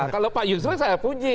kalau pak yusuf saya puji